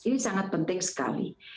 ini sangat penting sekali